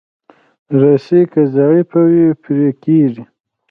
رسۍ که ضعیفه وي، پرې کېږي.